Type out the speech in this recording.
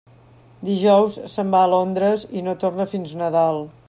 Dijous se'n va a Londres i no torna fins Nadal.